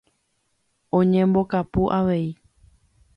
Oñembokapu avei.